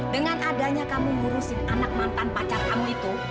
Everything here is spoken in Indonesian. dengan adanya kamu ngurusin anak mantan pacar kamu itu